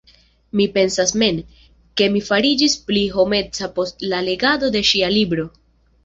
Mi pensas mem, ke mi fariĝis pli homeca post la legado de ŝia libro.